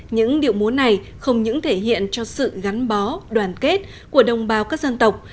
những điệu múa này không những thể hiện cho sự gắn bó đoàn kết của đồng bào các dân tộc